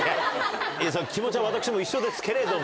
気持ちは私も一緒ですけれども。